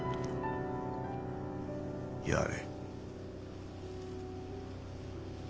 やれ。